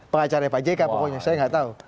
pengacaranya pak jk pokoknya saya nggak tahu